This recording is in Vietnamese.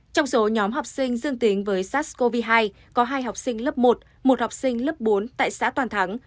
trong số nhóm học sinh dương tính với sars cov hai có hai học sinh lớp một một học sinh lớp bốn tại xã toàn thắng